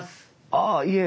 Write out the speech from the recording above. ああいえ。